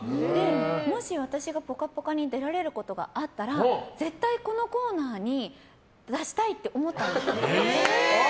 もし私が「ぽかぽか」に出られることがあったら絶対このコーナーに出したいと思ったんですよ。